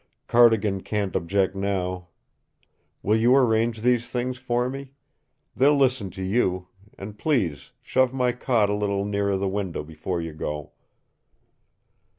Cardigan can't object now. Will you arrange these things for me? They'll listen to you and please shove my cot a little nearer the window before you go."